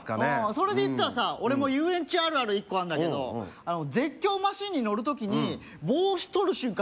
それで言ったらさ俺も遊園地あるある一個あんだけど絶叫マシンに乗る時に帽子とる瞬間